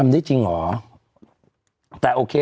เมาไม่ลอยยังไง